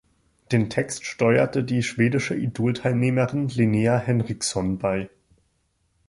Den Text steuerte die schwedische Idol-Teilnehmerin Linnea Henriksson bei.